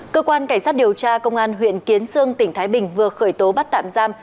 cơ quan cảnh sát điều tra công an huyện kiến sương tỉnh thái bình vừa khởi tố bắt tạm giam